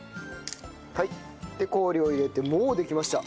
で氷を入れてもうできました。